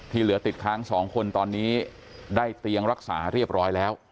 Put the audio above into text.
เหลือติดค้าง๒คนตอนนี้ได้เตียงรักษาเรียบร้อยแล้ว